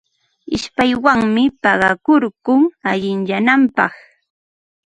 Ishpaywanmi paqakurkun allinyananpaq.